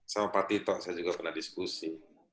sama pak tito saya juga pernah diskusi